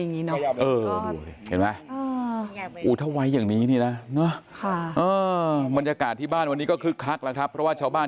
อย่างนี้นะเห็นมาอูเทาะอย่างนี้นะเนอะเห็นบ้านวันนี้ก็คือคำแล้วให้พบว่าชาวบ้าน